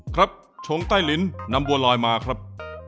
ครับชงใต้ลิ้นนำบัวลอยมาครับ